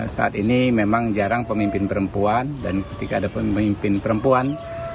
saat ini memang jarang pemimpin perempuan dan ketika ada pemimpin perempuan